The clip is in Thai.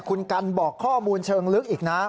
คุณกันบอกข้อมูลเชิงลึกอีกนะ